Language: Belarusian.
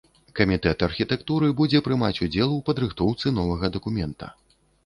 Камітэт архітэктуры будзе прымаць удзел у падрыхтоўцы новага дакумента.